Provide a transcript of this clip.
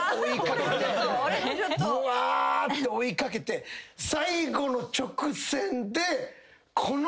ぶわーって追い掛けて最後の直線でこの。